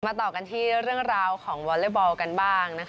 มาต่อกันทีเรื่องราวของวอลเลสบอลกันบ้าง